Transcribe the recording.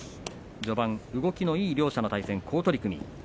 序盤、動きのいい両者、好取組